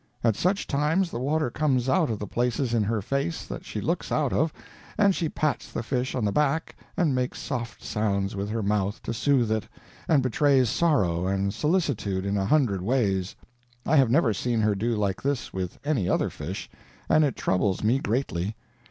At such times the water comes out of the places in her face that she looks out of, and she pats the fish on the back and makes soft sounds with her mouth to soothe it, and betrays sorrow and solicitude in a hundred ways. I have never seen her do like this with any other fish, and it troubles me greatly.